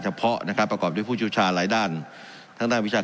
เฉพาะนะครับประกอบด้วยผู้เชี่ยวชาหลายด้านทั้งด้านวิชา